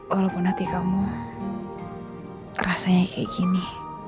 walaupun hati kamu rasanya kayak gini